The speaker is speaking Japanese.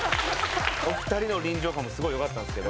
お二人の臨場感もすごい良かったんですけど